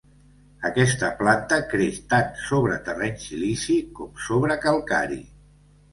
Aquesta planta creix tant sobre terreny silici com sobre calcari.